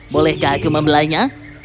bolehkah aku membelainya